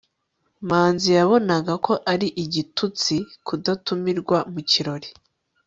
manzi yabonaga ko ari igitutsi kudatumirwa mu kirori